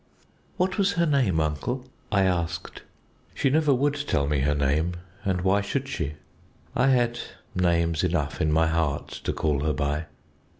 "What was her name, uncle?" I asked. "She never would tell me her name, and why should she? I had names enough in my heart to call her by.